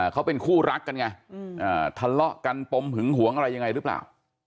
เขาเป็นคู่รักกันไงทะเลาะกันปมหึงหวงอะไรยังไงหรือเปล่า